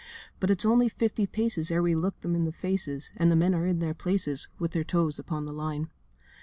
But it's only fifty paces Ere we look them in the faces; And the men are in their places, With their toes upon the line.